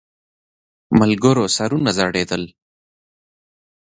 ملګرو سرونه ځړېدل.